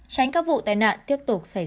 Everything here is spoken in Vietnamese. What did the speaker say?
tránh các vụ tai nạn tiếp tục xảy ra